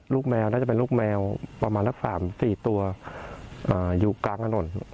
ลูกแมวน่าจะเป็นลูกแมวประมาณละสามสี่ตัวอ่าอยู่กลางถนน